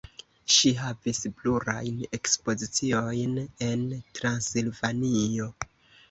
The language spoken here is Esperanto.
Ŝi havis plurajn ekspoziciojn en Transilvanio.